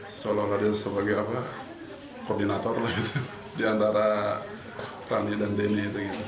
seolah olah dia sebagai koordinator di antara rani dan deni